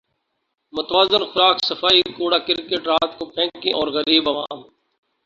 متوازن خوراک صفائی کوڑا کرکٹ رات کو پھینکیں اور غریب عوام